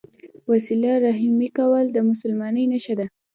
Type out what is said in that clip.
وسیله رحمي کول د مسلمانۍ نښه ده.